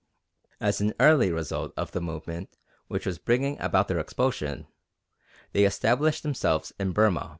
As an early result of the movement which was bringing about their expulsion, they established themselves in Burma.